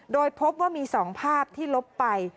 โดยพบว่ามี๒ภาพที่ลบไป